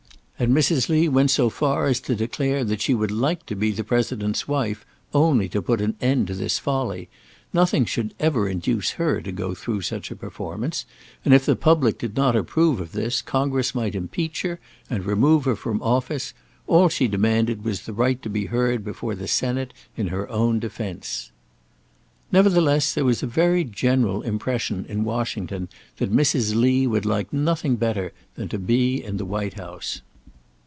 And Mrs. Lee went so far as to declare that she would like to be the President's wife only to put an end to this folly; nothing should ever induce her to go through such a performance; and if the public did not approve of this, Congress might impeach her, and remove her from office; all she demanded was the right to be heard before the Senate in her own defence. Nevertheless, there was a very general impression in Washington that Mrs. Lee would like nothing better than to be in the White House.